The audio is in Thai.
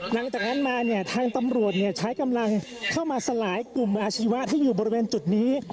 หลังจากนั้นมาเนี่ยทางตำรวจใช้กำลังเข้ามาสลายกลุ่มอาชีวะที่อยู่บริเวณจุดนี้